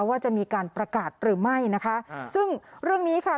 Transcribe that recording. ว่าจะมีการประกาศหรือไม่นะคะซึ่งเรื่องนี้ค่ะ